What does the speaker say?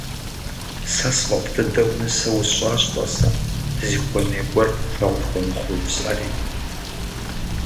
Сэ сфӏэфӏ дыдэу нысэ усщӏащ, тӏасэ, дызыхуэмей гуэр пэшэгъу тхуэмыхъуу жысӏэри.